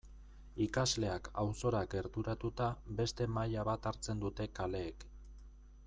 Ikasleak auzora gerturatuta beste maila bat hartzen dute kaleek.